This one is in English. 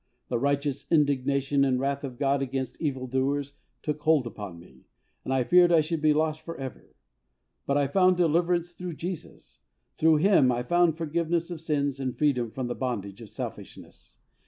The righteous indignation and wrath of God against evil doers took hold upon me, and I feared I should be lost for ever. But I found deliverance through Jesus; through Him I found forgiveness of sins and freedom from the bondage of selfishness.